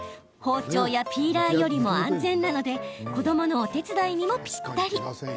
包丁やピーラーよりも安全なので子どものお手伝いにも、ぴったり。